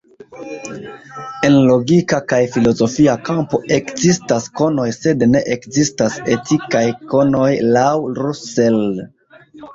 En logika kaj filozofia kampo ekzistas konoj, sed ne ekzistas etikaj konoj laŭ Russell.